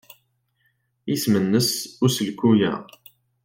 Isem-nnes useklu-a?